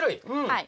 はい。